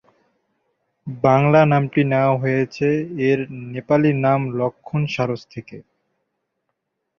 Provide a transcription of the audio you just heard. বাংলা নামটি নেওয়া হয়েছে এর নেপালি নাম লক্ষণ সারস থেকে।